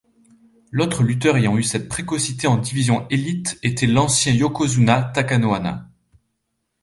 L’autre lutteur ayant eu cette précocité en division élite était l’ancien yokozuna Takanohana.